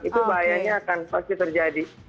itu bahayanya akan pasti terjadi